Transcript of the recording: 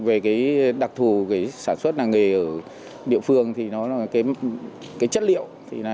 về cái đặc thù sản xuất làng nghề ở địa phương thì nó là cái chất liệu